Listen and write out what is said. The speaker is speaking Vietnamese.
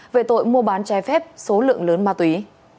về tội mua bán trái phép số lượng lớn ma túy